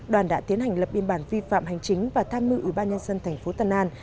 đoàn đã tiến hành lập biên bản vi phạm hành chính và tham mưu ủy ban nhân dân tp tân an